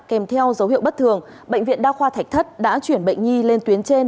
kèm theo dấu hiệu bất thường bệnh viện đa khoa thạch thất đã chuyển bệnh nhi lên tuyến trên